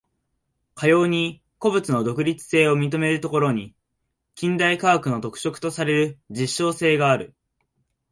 かように個物の独立性を認めるところに、近代科学の特色とされる実証性がある。